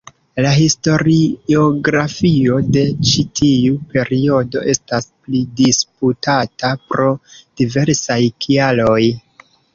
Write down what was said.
La historiografio de ĉi tiu periodo estas pridisputata pro diversaj kialoj.